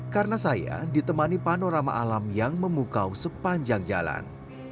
karena saya ditemani panorama alam yang memukau sepanjang jalan